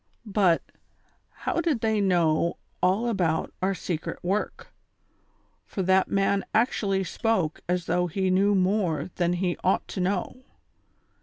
" But, how did they know all about our secret work, for that man actually spoke as though he knew more than he oug])t to know.